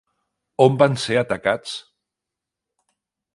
On van ser atacats?